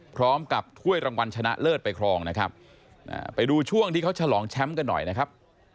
ถ้วยรางวัลชนะเลิศไปครองนะครับไปดูช่วงที่เขาฉลองแชมป์กันหน่อยนะครับ